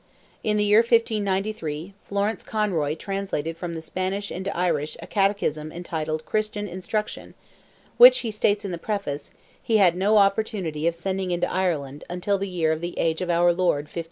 In the year 1593, Florence Conroy translated from the Spanish into Irish a catechism entitled "Christian Instruction," which, he states in the preface, he had no opportunity of sending into Ireland "until the year of the age of our Lord 1598."